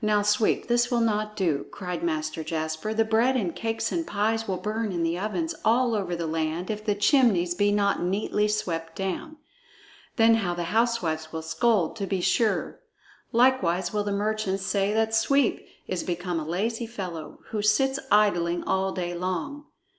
"Now, Sweep, this will not do!" cried Master Jasper. "The bread and cakes and pies will burn in the ovens all over the land, if the chimneys be not neatly swept down. Then how the housewives will scold, to be sure! Likewise will the merchants say that Sweep is become a lazy fellow, who sits idling all day long."